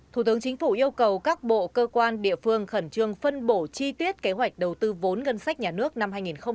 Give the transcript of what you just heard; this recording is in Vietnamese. thủ tướng chính phủ yêu cầu các bộ cơ quan địa phương khẩn trương phân bổ chi tiết kế hoạch đầu tư vốn ngân sách nhà nước năm hai nghìn hai mươi